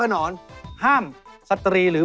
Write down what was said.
ความยากคือ